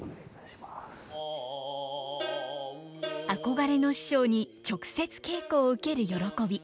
憧れの師匠に直接稽古を受ける喜び。